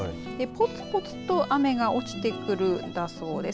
ぽつぽつと雨が落ちてくるんだそうです。